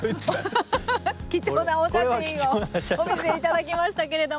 貴重なお写真をお見せ頂きましたけれども。